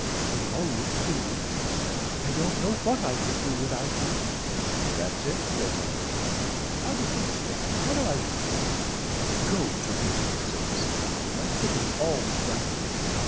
"We all look to you," she said. "I don't know what I should do without you." "That's it," said Melville. "How do things stand? What am I to do?" "Go to him," said Mrs. Bunting, "and put it all right."